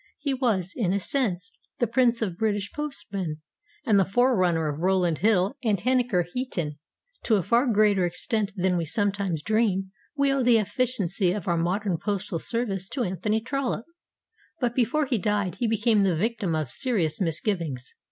He was, in a sense, the prince of British postmen, and the forerunner of Rowland Hill and Henniker Heaton. To a far greater extent than we sometimes dream, we owe the efficiency of our modern postal service to Anthony Trollope. But before he died he became the victim of serious misgivings.